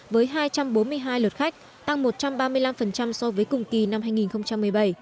với hai trăm bốn mươi hai lượt khách tăng một trăm ba mươi năm so với cùng kỳ năm hai nghìn một mươi bảy